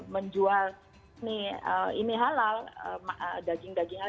menjual halal daging daging halal